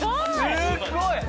すっごい。